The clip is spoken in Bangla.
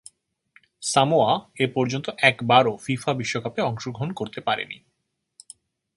সামোয়া এপর্যন্ত একবারও ফিফা বিশ্বকাপে অংশগ্রহণ করতে পারেনি।